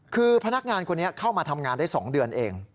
คือพนักงานคนนี้เข้ามาทำงานได้๒เดือนเอง